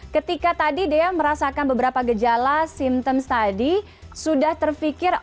ketika tadi dea merasakan beberapa gejala simptoms tadi sudah terfikir